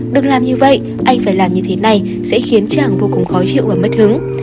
được làm như vậy anh phải làm như thế này sẽ khiến chàng vô cùng khó chịu và mất hứng